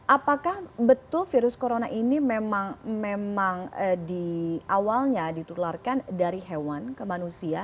apakah betul virus corona ini memang di awalnya ditularkan dari hewan ke manusia